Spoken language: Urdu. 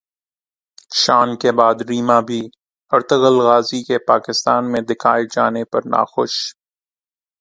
شان کے بعد ریما بھی ارطغرل غازی کے پاکستان میں دکھائے جانے پر ناخوش